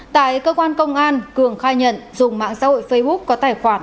tại cơ quan công an cường khai nhận dùng mạng xã hội facebook